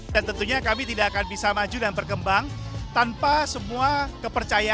dan tentunya kami tidak akan bisa maju dan berkembang tanpa semua kepercayaan yang diberikan masyarakat